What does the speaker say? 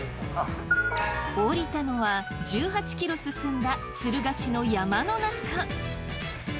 降りたのは１８ｋｍ進んだ敦賀市の山の中。